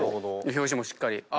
表紙もしっかり。